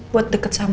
buat deket sama rena